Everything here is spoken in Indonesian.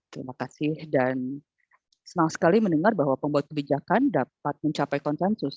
terima kasih dan senang sekali mendengar bahwa pembuat kebijakan dapat mencapai konsensus